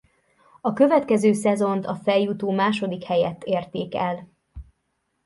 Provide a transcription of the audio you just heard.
A következő szezont a feljutó második helyett érték el.